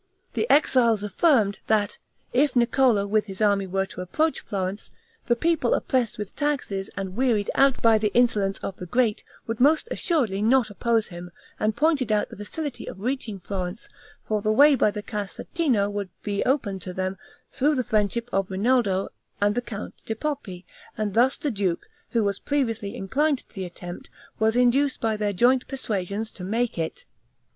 The exiles affirmed, that if Niccolo with his army were to approach Florence, the people oppressed with taxes, and wearied out by the insolence of the great, would most assuredly not oppose him, and pointed out the facility of reaching Florence; for the way by the Casentino would be open to them, through the friendship of Rinaldo and the Count di Poppi; and thus the duke, who was previously inclined to the attempt, was induced by their joint persuasions to make it.